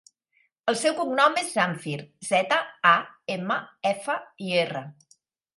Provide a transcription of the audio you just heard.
El seu cognom és Zamfir: zeta, a, ema, efa, i, erra.